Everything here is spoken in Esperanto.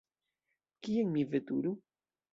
Kien mi veturu?